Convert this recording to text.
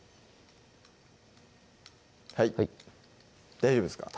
はい大丈夫ですか？